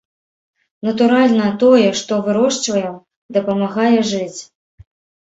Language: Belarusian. Натуральна, тое, што вырошчваем, дапамагае жыць.